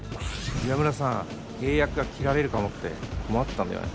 岩村さん契約が切られるかもって困ってたんだよね